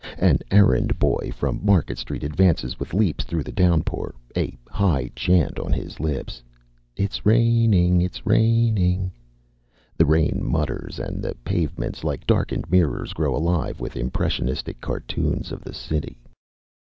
An errand boy from Market Street advances with leaps through the downpour, a high chant on his lips, "It's raining ... it's raining." The rain mutters and the pavements, like darkened mirrors, grow alive with impressionistic cartoons of the city.